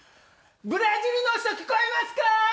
ブラジルの人聞こえますかー？